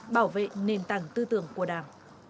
bảo vệ nền tảng tư tưởng của đảng